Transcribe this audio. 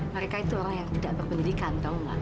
mereka itu orang yang tidak berpendidikan tau gak